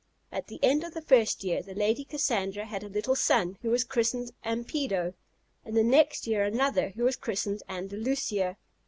By the end of the first year, the Lady Cassandra had a little son, who was christened Ampedo; and the next year another, who was christened Andolucia.